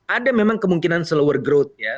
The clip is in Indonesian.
ada memang kemungkinan selangkah kembang ya